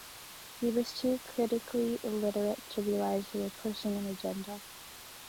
He was too critically illiterate to realize they were pushing an agenda.